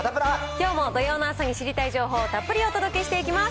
きょうも土曜の朝に知りたい情報をたっぷりお届けしていきます。